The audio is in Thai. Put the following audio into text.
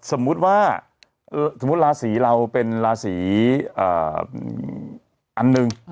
สมมุติว่าสมมุติราศีเราเป็นราศีอันหนึ่ง